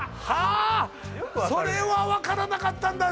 あそれは分からなかったんだ